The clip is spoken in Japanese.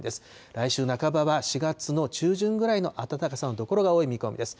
来週半ばは４月の中旬ぐらいの暖かさの所が多い見込みです。